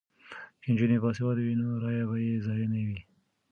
که نجونې باسواده وي نو رایې به یې ضایع نه وي.